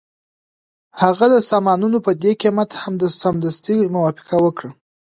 هغه د سامانونو په دې قیمت هم سمدستي موافقه وکړه